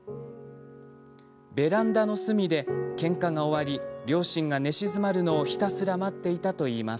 ベランダの隅でけんかが終わり両親が寝静まるのをひたすら待っていたといいます。